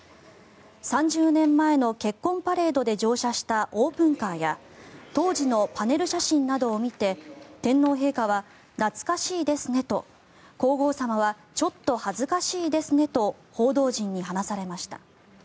３０年前の結婚パレードで乗車したオープンカーや当時のパネル写真などを見て天皇陛下は懐かしいですねと皇后さまはちょっと恥ずかしいですねと報道陣に話されました。